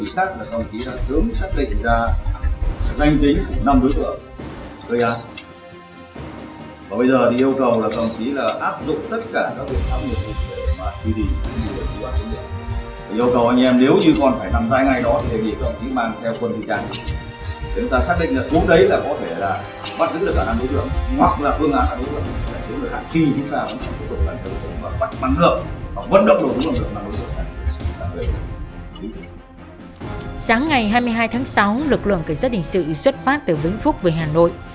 sáng ngày hai mươi hai tháng sáu lực lượng cảnh sát định sự xuất phát từ vĩnh phúc về hà nội